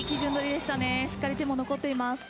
しっかり、手も残っています。